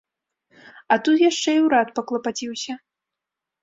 А тут яшчэ і ўрад паклапаціўся.